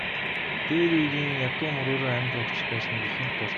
Дээр үеийн ядуу мөрөөрөө амь зуугчид байсныг эхэнд дурдсан.